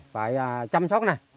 phải chăm sóc